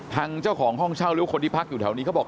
ทางเจ้าของห้องเช่าหรือคนที่พักอยู่แถวนี้เขาบอก